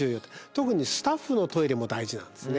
特にスタッフのトイレも大事なんですね。